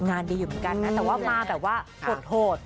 งานดีอยู่เหมือนกันนะแต่ว่ามาแบบว่าโหด